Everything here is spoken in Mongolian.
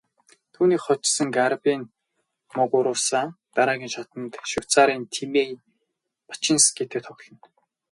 Түүнийг хожсон Гарбинэ Мугуруса дараагийн шатанд Швейцарын Тимея Бачинскитэй тоглоно.